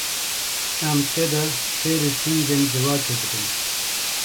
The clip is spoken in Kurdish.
Em tê de, fêrî sincên civakê dibin.